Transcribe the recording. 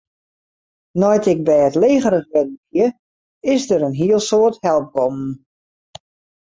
Nei't ik bêdlegerich wurden wie, is der in hiel soad help kommen.